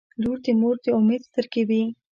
• لور د مور د امید سترګې وي.